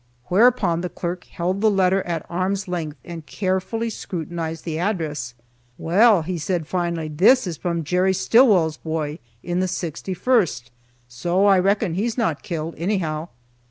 Whereupon the clerk held the letter at arm's length, and carefully scrutinized the address. "Well," said he finally, "this is from Jerry Stillwell's boy, in the 61st, so I reckon he's not killed, anyhow."